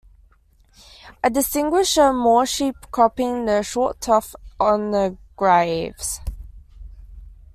I distinguished a moor-sheep cropping the short turf on the graves.